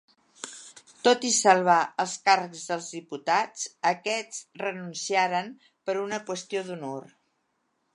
Tot i salvar els càrrecs dels diputats, aquests renunciaren per una qüestió d'honor.